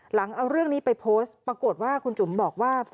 หลังเอาเรื่องนี้ไปโพสต์ปรากฏว่าคุณจุ๋มบอกว่า